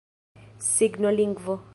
signolingvo